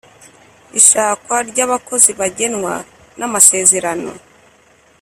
ishakwa ryabakozi bagenwa namasezerano